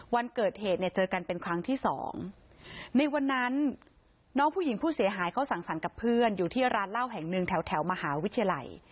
วันเกิดเหตุเนี่ยเจอกันเป็นครั้งที่สองในวันนั้นน้องผู้หญิงผู้เสียหายเขาสั่งสรรค์กับเพื่อนอยู่ที่ร้านเหล้าแห่งหนึ่งแถวแถวมหาวิทยาลัย